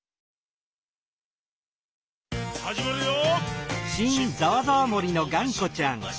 「はじまるよ！」